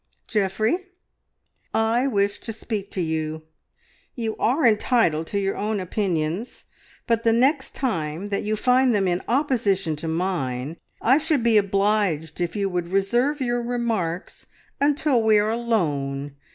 "Geoffrey, I wish to speak to you. You are entitled to your own opinions, but the next time that you find them in opposition to mine I should be obliged if you would reserve your remarks until we are alone.